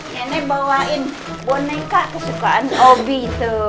nenek bawain boneka kesukaan hobi itu